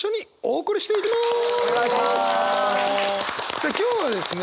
さあ今日はですね